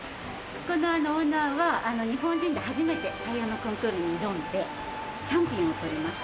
ここのオーナーは日本人で初めてパエヤのコンクールに挑んでチャンピオンを取りました！